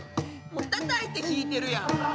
たたいて弾いてるやん！